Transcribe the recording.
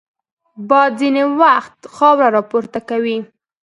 باد ځینې وخت خاوره راپورته کوي